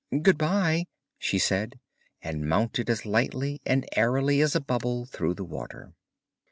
'Good bye,' she said, and mounted as lightly and airily as a bubble through the water.